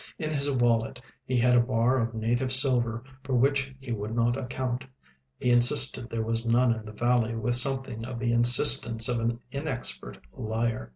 In his wallet he had a bar of native silver for which he would not account; he insisted there was none in the valley with something of the insistence of an inexpert liar.